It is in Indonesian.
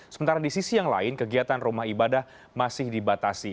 sementara di sisi yang lain kegiatan rumah ibadah masih dibatasi